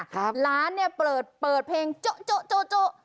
หลานเนี่ยเปิดเพลงโจ๊ะ